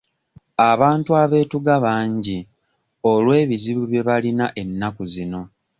Abantu abeetuga bangi olw'ebizibu bye bayina ennaku zino.